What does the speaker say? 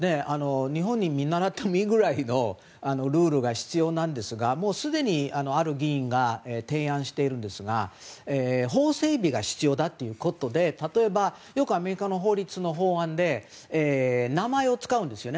日本を見習ってもいいくらいのルールが必要なんですがすでに、ある議員が提案しているんですが法整備が必要だということで例えばよくアメリカの法律の法案で名前を使うんですよね。